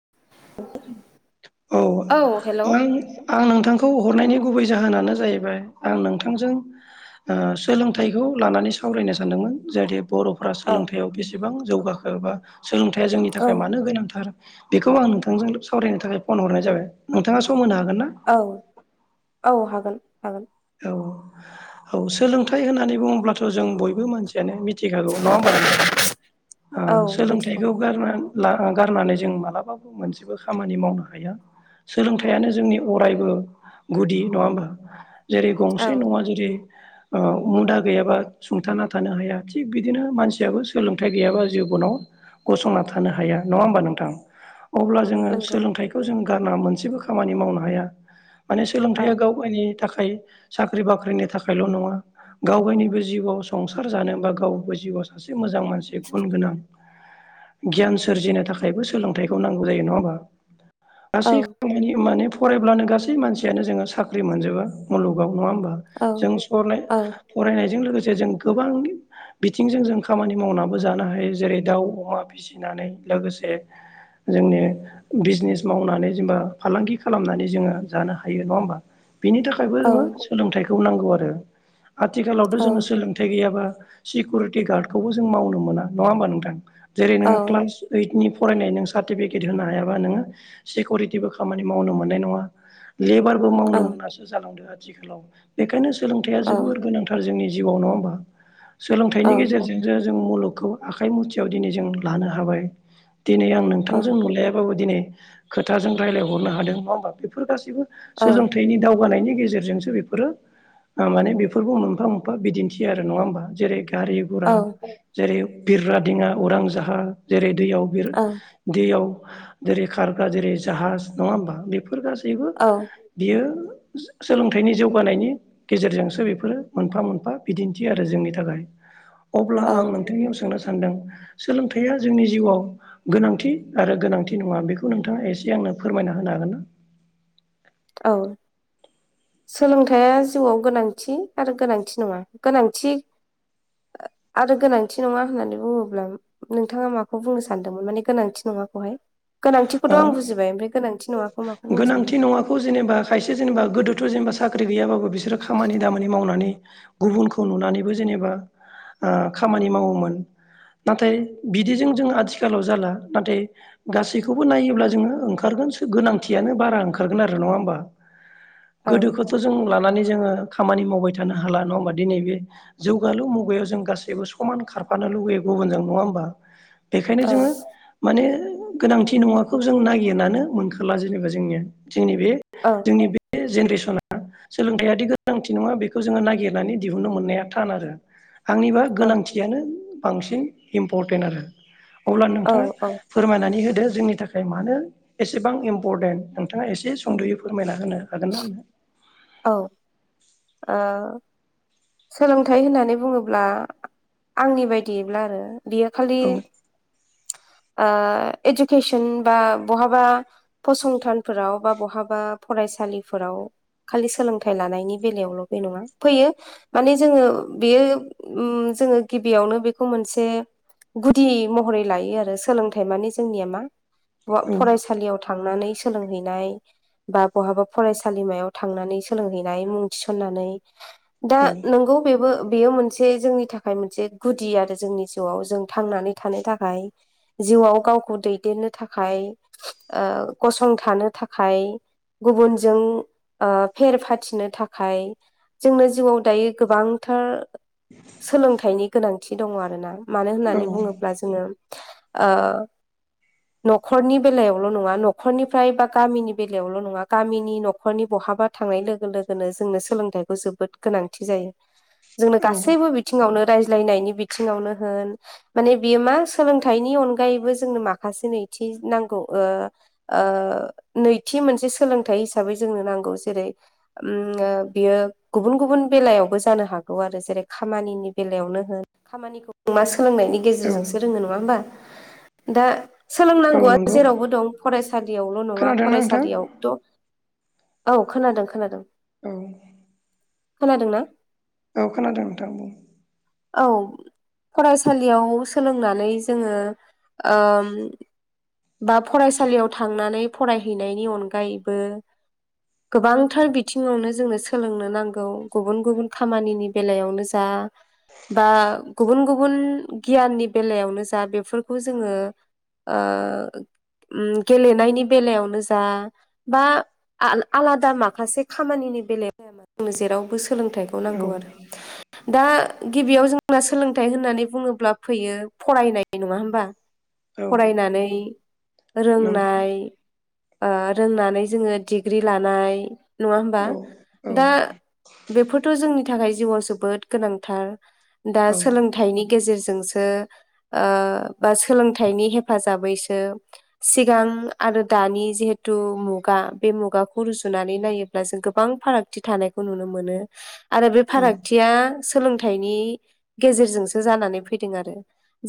[inaudible] औ आं आं नोंथांखौ हरनायनि गुबै जाहोनानो जाहैबाय आं नोंथांजों ओ सोलोंथाइखौ लानानै सावरायनो सानदोंमोन। जाहाथे बर'फ्रा औ सोलोंथायाव बेसेबां जौगाखो एबा सोलोंथाइया जोंनि औ थाखाय मानो गोनांथार। बेखौ आं नोंथांजों सावरायनो थाखाय फन हरनाय जाबाय नोंथाङा सम होनो हागोन ना औ औ हागोन हागोन औ औ सोलोंथाइ होननानै बुङोब्लाथ' जों बयबो मानसियानो मिथिखागौ नङा होमबा नोंथां औ मिथिगौ सोलोंथाइखौ गारनानै। गारनानै जों मालाबाबो मोनसेबो खामानि मावनो हाया सोलोंथाइयानो जोंनि अरायबो गुदि नङा होमबा जेरै औ गंसे नवा जेरै मुदा गैयाबा सुंथाना थानो हाया थिग बिदिनो मानसियाबो सोलोंथाइ गैयाबा जेबो। गसंना थानो हाया नङा होमबा नोंथां अब्ला जोङो नंगौ सोलोंथाइखौ जों गारना मोनसेबो खामानि मावनो हाया माने औ सोलोंथाइया गावगायनि थाखाय साख्रि बाख्रिनि थाखायल' नङा गावगायनिबो जिउआव संसार जानो बा गावबो जिउआव सासे एसे मोजां मानसि गुन गोनां गियान सोरजिनो थाखायबो सोलोंथाइखौ नांगौ जायो नङा होमबा। औ गासै खामानि माने फरायब्लानो गासै मानसियानो जोङो साख्रि मोनजोबा मुलुगाव नङा होमबा औ जों औ फरायनायजों लोगोसे। जों गोबां बिथिंजों जों खामानि मावनाबो जानो हायो जेरै दाउ अमा फिसिनानै। लोगोसे। जोंनि बिजनेस मावनानै जेनेबा फालांगि खालामनानै जोङो जानो हायो नङा होमबा बिनि थाखायबो औ जोङो सोलोंथाइखौ नांगौ आरो आथिखालावथ' औ जोङो सोलोंथाइ गैयाबा। सिकुरित गार्डखौबो जों मावनो मोना नङा होमबा नोंथां जेरैनो औ क्लास इडनि। फरायनाय नों सार्टिफिकेट होनो हायाबा नोङो सिकिउरिटिबो खामानि मावनो मोननाय नङा लेबारबो मावनो औ मोनासो जालांदों आथिखालाव बेखायनो सोलोंथाइया औ जोबोर गोनांथार जोंनि जिउआव नङा होमबा सोलोंथाइनि गेजेरजोंसो जों मुलुगखौ। आखाइ मुथियाव दिनै जों लानो हाबाय दिनै आं नोंथांजों नुलायाबाबो दिनै खोथों राज्लायहरनो हादों नङा होमबा बेफोर गासिबो सोलोंथनि। जौगानायनि गेजेरजोंसो बेफोरो माने बेफोरखौ मोनफा मोनफा बिदिन्थियो आरो नङा होमबा जेरै गारि घरा औ जेरै बिरग्रा दिङा उरां जाहाज जेरै दैयाव बे दैयाव जेरै खारग्रा जेरै जाहाज नङा होमबा बे बेफोर गासैबो औ बियो। सोलोंथाइनि जौगानायनि गेजेरजोंसो बेफोरो मोनफा मोनफा बिदिन्थि आरो जोंनि थाखाय। अब्ला आं नोंथांनियाव सोंनो सानदों सोलोंथाइया जोंनि जिउआव गोनांथि आरो गोनांथि नङा बेखौ नोंथाङा एसे आंनो। फोरमायना होनो हागोन। औ। सोलोंथाइया जिउआव गोनांथि आरो गोनांथि नङा गोनांथि। आरो गोनांथि नङा होननानै बुङोब्ला नोंथाङा माखौ बुंनो सानदोंमोन माने गोनांथि नङा। नङाखौहाय ओ गोनांथिखौथ' आं बुजिबाय ओमफ्राय गोनांथि नङाखौ माखौ बुंनो सानदों। गोनांथि नङाखौ जेनेबा खायसे जेनेबा गोदोथ' जेनेबा साख्रि गैयाबाबो बिसोरो खामानि दामानि मावनानै। गुबुनखौ नुनानैबो जेनेबा खामानि मावोमोन। नाथाय बिदिजों जों आथिखालाव जाला नाथाय गासै। गासैखौबो नायोब्ला जोङो ओंखारगोन गोनांथियानो बारा ओंखारगोन आरो नङा होमबा। औ गोदोखौथ' जों लानानै। जोङो खामानि मावबाय थानो हाला नङा होमब्ला दिनै बे जौगालु मुगायाव जों गासैबो समान खारफानो। लुगैयो गुबुनजों नङा होमबा बेखायनो औ जोङो माने गोनांथि नङाखौ जों नागिरनानै मोनखोला जेनेबा जोंनि जोंनि बे औ जोंनि बे जेनेरेसना सोलोंथाइयादि गोनांथि नङा बेखौ जोङो नागिरनानै दिहुनो मोननाया थान आरो। आंनिबा औ गोनांथियानो बांसिन इम्परटेन्ट आरो। अब्ला औ नोंथाङा औ फोरमायनानै। होदो जोंनि थाखाय मानो एसेबां इम्परटेन्ट नोंथाङा एसे सुंद'यै फोरमायना होनो। हागोनना नोंथां? औ ओ सोलोंथाइ होननानै बुङोब्ला आंनि बायदिब्ला आरो। बियो खालि औ ओ इडुकेसन बा बहाबा फसंथानफोराव बा बहाबा फरायसा फरायसालिफोराव खालि सोलोंथाइ लानायनि बेलायावल' बे नङा फैयो माने जोङो बेयो उम जोङो गिबियावनो बेखौ मोनसे गुदि महरै लायो आरो सोलोंथाइ माने जोंनिया मा औ फ-फरायसालियाव थांनानै सोलोंहैनाय बा बहाबा फरायसालिमायाव थांनानै सोलोंहैनाय मुं थिसननानै औ नंगौ बेबो बेयो मोनसे जोंनि थाखाय मोनसे गुदि आरो जोंनि जिउआव जों थांनानै थानो थाखाय जिउआव गावखौ दैदेननो थाखाय ओ गसंथानो थाखाय गुबुनजों ओ फेर फाथिनो थाखाय जोंनो जिउआव दायो गोबांथार सोलोंथाइनि गोनांथि दङ आरोना। मानो औ होननानै बुङोब्ला जोङो ओ न'खरनि बेलायावल' नङा न'खरनिफ्राय बा गामिनि बेलायावल' नङा गामिनि न'खरनि [unintelligible] बहाबा थांनाय लोगो -लोगोनो जोंनो सोलोंथाइखौ जोबोद गोनांथि जायो। जोंनो औ गासैबो बिथिङावनो रायज्लायनायनि बिथिङावनो होन माने बियो मा सोलोंथाइनि अनगायैबो जोंनो माखासे नै नांगौ ओ ओ नैथि मोनसे सोलोंथाइ हिसाबै जोंनो नांगौ जेरै उम बियो गुबन -गुबुन बेलायावबो जानो हागौ आरो जेरै खामानिनि बेलायावनो होन खामानिखौ [unintelligible] सोलोंनायनि औ गेजेरजोंसो रोङो नङा होमबा? दा औ सोलोंनांगौआ नंगौ जेरावबो दं फरायसालियावल' नङा खोनादोंना नोंथां फरायसालियावथ' औ खोनादों -खोनादों। उम। खोनादोंना? औ खोनादों नोंथां बुं। औ। फरायसालियाव सोलोंनानै जोङो ओ बा फरायसालियाव थांनानै फरायहैनायनि अनगायैबो गोबांथार बिथिङावनो जोंनो सोलोंनो नांगौ गुबुन- गुबुन खामानिनि बेलायावनो जा बा गुबुन- गुबुन गियाननि बेलायावनो जा बेफोरखौ जोङो ओ उम गेलेनायनि बेलायावनो जा बा आला-आलादा माखासे खामानि बेलायाव जोंनो जेरावबो सोलोंथाइखौ औ नांगौ आरो। दा गिबियाव जोंना सोलोंथाइ होननानै बुङोब्ला फैयो फरायनाय नङा होमबा? औ फरायनानै नों रोंनाय ओ रोंनानै जोङो डिग्रि लानाय। नङा होमबा? औ औ दा बेफोरथ' जोंनि थाखाय जिउआव जोबोद गोनांथार। दा औ सोलोंथाइनि गेजेरजोंसो ओ बा सोलोंथाइनि हेफाजाबैसो सिगां आरो दानि जिहेथु मुगा बे मुगाखौ रुजुनानै नायोब्ला जों गोबां फारागथि थायो। थानायखौ नुनो मोनो। आरो बे औ फारागथिया सोलोंथाइनि गेजेरजोंसो जानानै फैदों आरो।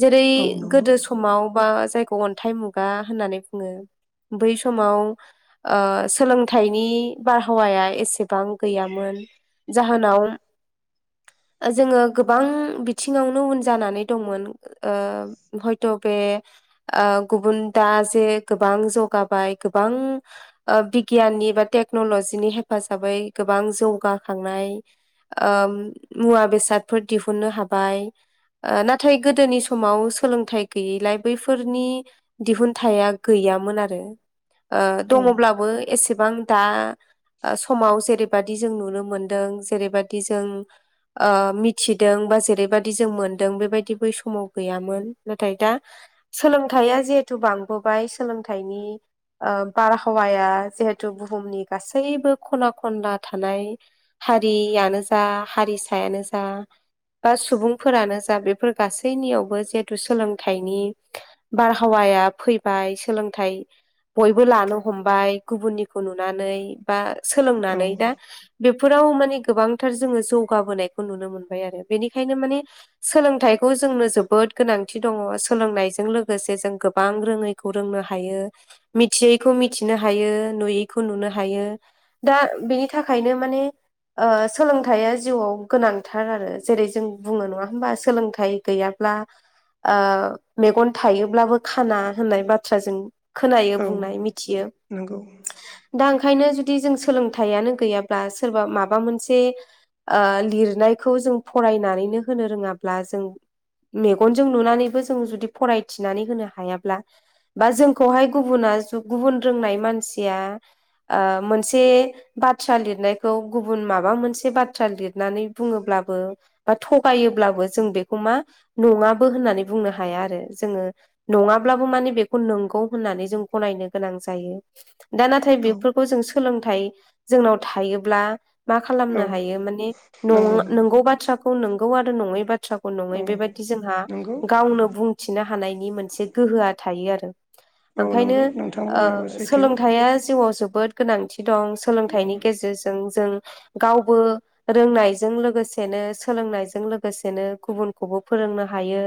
जेरै औ नंगौ गोदो समाव बा जायखौ अन्थाइ मुगा होननानै बुङो। बै समाव ओ सोलोंथाइनि बारहावाया एसेबां गैयामोन। जाहोनाव [inaudible] जोङो गोबां बिथिङावनो उन जानानै दंमोन। ओ हयथ' बे आ गुबुन दा जे गोबां जौगाबाय, गोबां बिगियाननि एबा टेक्नलजिनि हेफाजाबै गोबां जौगा - खांनाय मुवा बेसादफोर दिहुननो हाबाय, आ नाथाय गोदोनि समाव सोलोंथाइ गैयैलाय बैफोरनि दिहुनथायाइा गै यामोन आरो ओ औ दङब्लाबो एसेबां दा समाव जेरैबाददि जों नुनो मोनदों जेरैबादि जों आ मिथिदों बा जेरैबादि जों मोनदों बेबायदि बै समाव गैयामोन। नाथाय दा सोलोंथाइया जिहेथु बांबोबाय सोलोंथाइनि ओ बारहावाया जिहेथु बुहुमनि गासैबो खना खनला थानाय हारियानो जा, हारिसायानो जा बा सुबुंफोरानो जा बेफोर गासैनियावबो जिहेथु सोलोंथाइनि बारहावा या फैबाय, सोलोंथाइ बयबो लानो हमबाय गुबुननिखौ नुनानै बा औ सोलोंनानै दा। बेफोराव माने गोबांथार जोङो जौगाबोनायखौ नुनो मोनबाय आरो। बेनिखायनो मानिे सोलोंथाइ खौ जोंनो जोबोद गोनांथि दङ। सोलोंनायजों लोगोसे जों गोबां रोङैखौ रोंनो हायो। मिथियैखौ मिथिनो हायो, नुयैखौ नुनो हायो, दा बेनि थाखायनो। माने। ओ सोलोंथाइया जिउआव गोनांथार आरो, जेरै जों बुङो नङा होमबा सोलोंथाइ गैया ब्ला आ मेगन थायोब्लाबो खाना होननाय बाथ्राजों। खोनायो औ बुंनाय मिथियो। नंगौ दा ओंखायनो जुदि जों सोलोंथाइयानो गैयाब्ला सोरबा माबा मोनसे ओ लिरनायखौ जों फरायनानैनो होनो रोङाब्ला। जों मेगनजों नुनानैबो जों जुदि फरायथिनानै होनो हायाब्ला। बा जोंखौहाय गुबुना गुबुन रोंनाय मानसिया। आ मोनसे बाथ्रा लिर नायखौ गुबुन माबा मोनसे बाथ्रा लिरनानै बुङोब्लाबो बा थगायोब्ला जों बे बेखौ मा नङाबो होननानै बुंनो हाया आरो। जोङो नङाब्लाबो माने बेखौ नंगौ हो ननानै जों गनायनो गोनां जायो। दा नाथाय औ बेफोरखौ जों सोलोंथाइ जोंनाव थायोब्ला। मा औ खालामनो हायो माने न नंगौ नोंगौ बाथ्राखौ नोंगौ आरो नङै बाथ्राखौ। नङै औ बेबायाददि जोंहा नंगौ गावनो बुंथिनो हानायनि मोनसे गोहोआ थायो आरो। औ ओंखायनो नंगौ नोंथां बुंनायाबो ओ सैथो सोलोंथाइया जिउआव जोबोद गोनांथि दं, सोलोंथा औ इ जों गावबो रोंनायजों लोगोसेनो सोलोंनायजों लोगोसेनो गु बुन। गुबुनखौबो फोरोंनो हायो,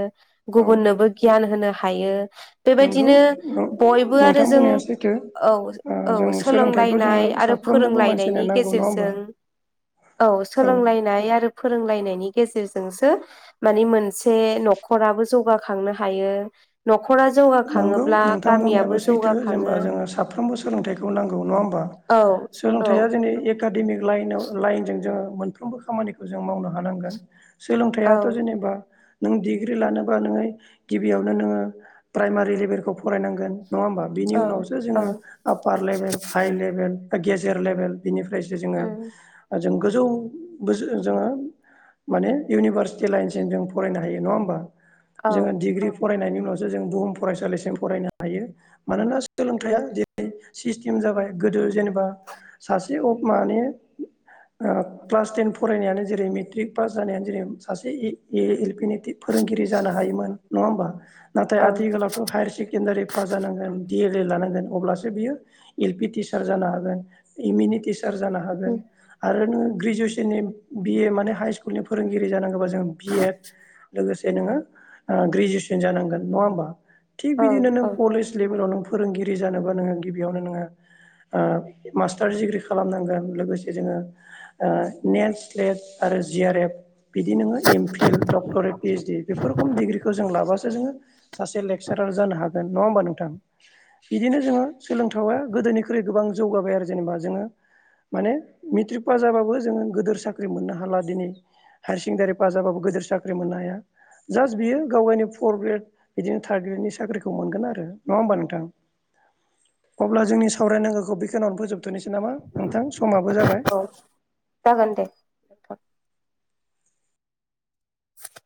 औ गुबुननोबो गियान होनो हायो। नंगौ बेबायदिनो बयबो आरो नोंथां जों बुंनाया सैथो औ औ सोलोंलायनाय। साफ्रोमनिबो मानसि। नि गेजेरजों औ सोलोंलायनाय आरो। फोरोंलायनायनि गेजेरजोंसो मानि मोनसे न'खराबो जौगाखांनो हायो। न'ख खरा नंगौ जौगाखाङोब्ला नोंथां गामियाबो बुंनायाबो सैथो जेनेबा जौगाखाङो। जोङो साफ्रोमबो सोलोंथाइखौ नांगौ नङा होमबा? औ औ। सोलोंथाइया जोंनि एकाडेमिक लाइनाव लाइनजों जोङो मोनफ्रोमबो खामानिखौ जों मावनो हानांगोन, औ सोलोंथाइयाथ' जेनेबा नों डिग्रि लानोबा नोङो गिबियावनो नोङो। प्राइमारि लेभेलखौ फरायनांगोन। नङा होमबा बिनि औ उनावसो औ जोंङो आपपार लेभेल हाइ लेभेला बा गेजेर लेभेल। बिनिफ्रायसो जोंङो उम ओ जों गोजौ गोज ओ जोंङो। माने इउनिभारसिटि लाइनसिम जों फरायनो हायो नङा होमबा। औ जोङो डिग्रि फरायनायनि उनावसो जों बुहुम फरायसालिसिम फरायनो हायो मानोनास उम सोलोंथाइया जेरै सिस्टेम जाबाय। गोदो जेनेबा सासे अ' माने ओ क्लास टेन फरायनायानो जेरै मेट्रिक पास जानायानो जेरै सासे ए-ए-एलपि नि फोर रोंगिरि जानो हायोमोन नङा होमबा नाथाय औ आथिखालावथ' हायार सेकेण्डारि पास जानांगोन। दि एल एड लानांगोन अब्लासो बियो एल पि टिचार जानो हागोन इमिनि टिच सार जानो उम हागोन आरो नोंङो ग्रिजुएसननि बि ए माने हाय स्कुलनि फोरोंगिरि जानांगोबा जों बि एड लोगोसे नोङो ओ ग्रेजुवेसन जानांगोन नङा होमबा। थिग औ बिदिनो नों औ कलेज लेभेलाव नों फोरोंगिरि जानोबा नोङो गिबियावनो नोङो ओ मास्टार डिग्रि खालामनांगोन लोगोसे जोंङो ओ नेट स्लेट आरो जि आर एफ बिदि नोंङो M P L doctorate P ओइस डि बेफोर खम डिग्रिखौ जों लाबासो जोङो सासे लेक्सारा‌र जानो हागोन नंङा होमबा नोंथां। बिदिनो जोंङो सोलोंथाय गोदोनिख्रुइ गोबां जौगाबाय आरो जेनेबा जोङो माने मेट्रिक पास जाबाबो जोंङो गोदोर साख्रि मोननो हाला दिनै हाय सेकेणडारि पास जाबाबो गोदोर साख्रि मोननो हाया। जास्ट बियो गाव गावनि फर ग्रेड बिदिनो थार्द ग्रेडनि साख्रिखौ मोनगोन आरो नङा होमबा नोंथां। अब्ला जोंनि सावरायनांगोखौ बेखिनियावनो फोजोबथ'नोसै नामा नोंथां स औ जागोन दे थ'। [inaudible]